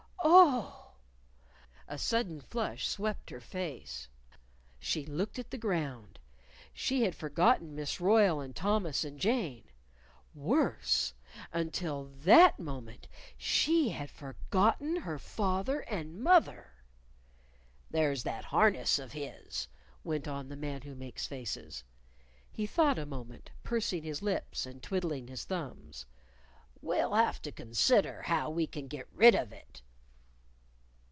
"Oh!" A sudden flush swept her face. She looked at the ground. She had forgotten Miss Royle and Thomas and Jane. Worse! Until that moment she had forgotten her father and mother! "There's that harness of his," went on the Man Who Makes Faces. He thought a moment, pursing his lips and twiddling his thumbs. "We'll have to consider how we can get rid of it."